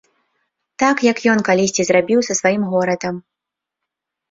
Так, як ён калісьці зрабіў са сваім горадам.